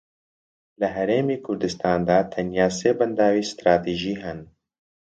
لە هەرێمی کوردستاندا تەنیا سێ بەنداوی ستراتیژی هەن